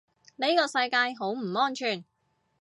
呢個世界好唔安全